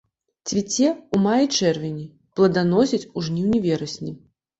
Цвіце ў маі-чэрвені, пладаносіць у жніўні-верасні.